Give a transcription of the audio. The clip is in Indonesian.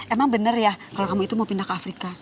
emang bener ya kalau kamu itu mau pindah ke afrika